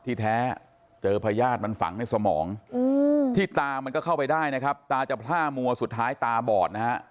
ที่แท้เจอพญาติมันฝังในสมองที่ตามันก็เข้าไปได้นะครับตาจะพล่ามัวสุดท้ายตาบอดนะฮะ